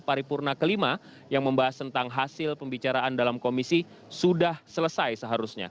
paripurna kelima yang membahas tentang hasil pembicaraan dalam komisi sudah selesai seharusnya